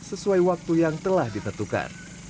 sesuai waktu yang telah ditentukan